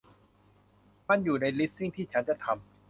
มันอยู่ในลิสต์สิ่งที่ฉันจะทำ